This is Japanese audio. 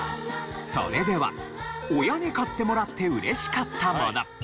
それでは親に買ってもらって嬉しかったもの。